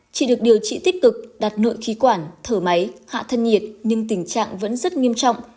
chị được điều trị tích cực đặt nội khí quản thở máy hạ thân nhiệt nhưng tình trạng vẫn rất nghiêm trọng